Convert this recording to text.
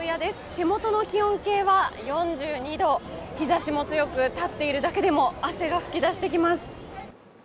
手元の気温計は４２度、日ざしも強く立っているだけでも汗が噴き出してきます。